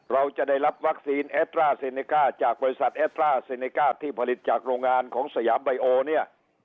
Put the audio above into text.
เราจะได้รับวัคซีนเอสตราเซเนก้าจากบริษัทเอสตราเซเนก้าที่ผลิตจากโรงงานของสยามไบโอเนี่ย